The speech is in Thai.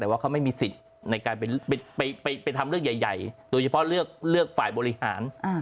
แต่ว่าเขาไม่มีสิทธิ์ในการไปทำเรื่องใหญ่โดยเฉพาะเลือกฝ่ายบริหาร